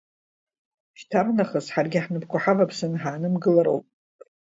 Шьҭарнахыс ҳаргьы ҳнапқәа ҳаваԥсаны ҳаанымгылароуп…